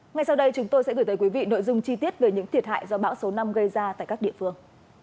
ngay sau đây chúng tôi sẽ gửi tới quý vị nội dung chi tiết về những thiệt hại do bão số năm gây ra tại các địa phương